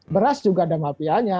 beras juga ada mafianya